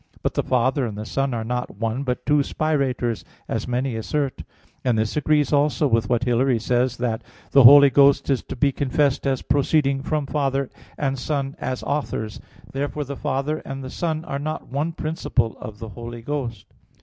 But the Father and the Son are not one, but two Spirators, as many assert; and this agrees also with what Hilary says (De Trin. ii) that "the Holy Ghost is to be confessed as proceeding from Father and Son as authors." Therefore the Father and the Son are not one principle of the Holy Ghost.